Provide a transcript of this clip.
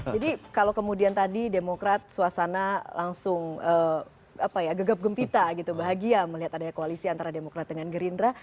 jadi kalau kemudian tadi demokrat suasana langsung apa ya gegap gempita gitu bahagia melihat ada koalisi antara demokrat dengan gerindra